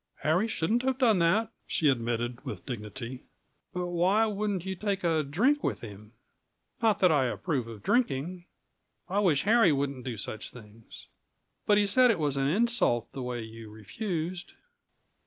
"Harry shouldn't have done that," she admitted with dignity. "But why wouldn't you take a drink with him? Not that I approve of drinking I wish Harry wouldn't do such things but he said it was an insult the way you refused."